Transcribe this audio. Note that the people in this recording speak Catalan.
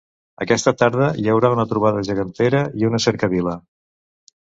Aquesta tarda hi haurà una trobada gegantera i una cercavila.